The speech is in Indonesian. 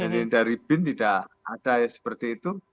jadi dari bin tidak ada seperti itu